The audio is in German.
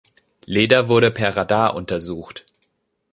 Leda wurde per Radar untersucht.